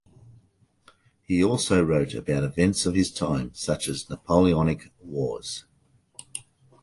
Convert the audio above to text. He also wrote about events of his time, such as the Napoleonic wars.